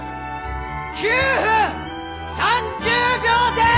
９分３０秒です！